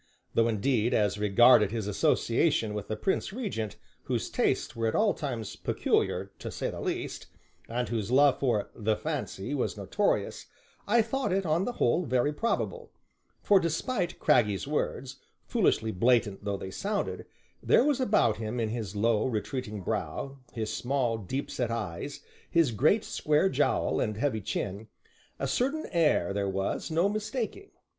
Though, indeed, as regarded his association with the Prince Regent, whose tastes were at all times peculiar (to say the least), and whose love for "the fancy" was notorious, I thought it, on the whole, very probable; for despite Craggy's words, foolishly blatant though they sounded, there was about him in his low, retreating brow, his small, deep set eyes, his great square jowl and heavy chin, a certain air there was no mistaking.